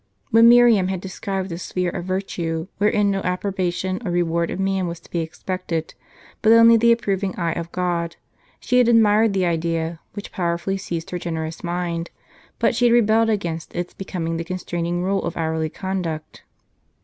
When Miriam s4rb had described a sphere of virtue, wherein no approbation or reward of man was to be expected, but only the approving eye of God, she had admired the idea, wliich powerfully seized her generous mind ; but she had rebelled against its becoming the constraining rule of hourly conduct.